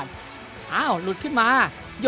สวัสดีครับ